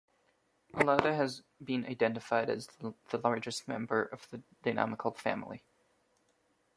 Alauda has been identified as the largest member of a dynamical family.